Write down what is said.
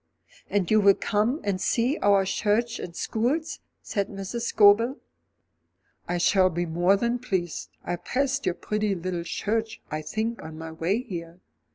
"And you will come and see our church and schools?" said Mrs. Scobel. "I shall be more than pleased. I passed your pretty little church, I think, on my way here.